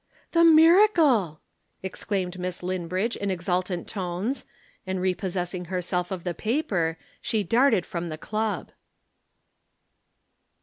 "The miracle!" exclaimed Miss Linbridge in exultant tones, and repossessing herself of the paper she darted from the Club.